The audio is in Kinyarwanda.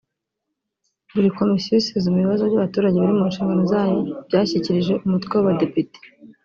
Buri Komisiyo isuzuma ibibazo by’abaturage biri mu nshingano zayo byashyikirijwe Umutwe w’Abadepite